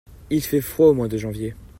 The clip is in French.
Il a fait froid au mois de janvier.